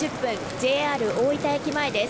ＪＲ大分駅前です。